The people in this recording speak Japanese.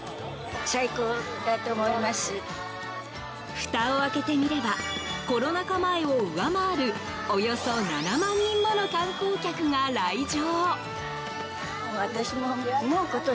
ふたを開けてみればコロナ禍前を上回るおよそ７万人もの観光客が来場。